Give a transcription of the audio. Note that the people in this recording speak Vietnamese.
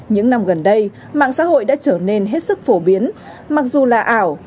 những năm gần đây mạng xã hội đã trở nên hết sức phổ biến mặc dù là ảo